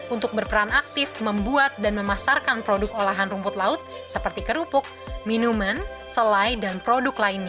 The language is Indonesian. untuk berperan aktif membuat dan memasarkan produk olahan rumput laut seperti kerupuk minuman selai dan produk lainnya